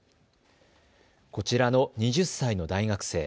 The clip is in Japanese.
こちらの２０歳の大学生。